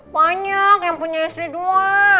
banyak yang punya sd dua